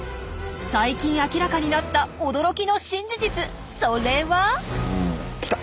最近明らかになった驚きの新事実それは？来た！